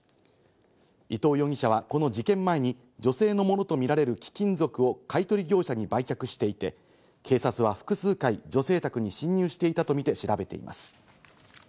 伊藤容疑者はこの事件前に女性のものとみられる貴金属を買い取り業者に売却していて、警察は複数回、女性宅に侵入していたとみて調べています。